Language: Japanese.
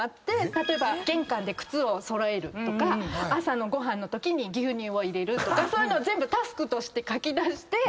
例えば玄関で靴を揃えるとか朝のご飯のときに牛乳を入れるとかそういうのを全部タスクとして書き出して。